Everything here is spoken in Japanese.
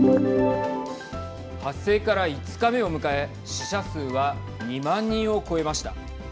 発生から５日目を迎え死者数は２万人を超えました。